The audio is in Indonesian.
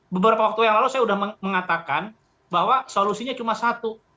beberapa waktu yang lalu saya sudah mengatakan bahwa solusinya cuma satu